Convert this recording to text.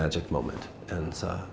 để cố gắng hiểu được